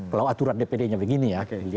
kalau aturan dpdnya begini ya